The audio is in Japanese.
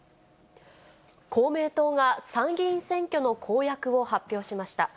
公明党が、参議院選挙の公約を発表しました。